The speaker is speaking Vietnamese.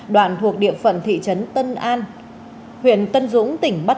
đoạn thuộc địa phận thị trấn tân an